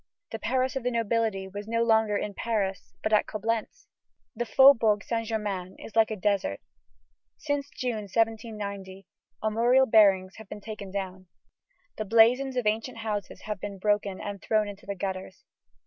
The Paris of the nobility is no longer in Paris, but at Coblentz. The Faubourg Saint Germain is like a desert. Since June, 1790, armorial bearings have been taken down. The blazons of ancient houses have been broken and thrown into the gutters.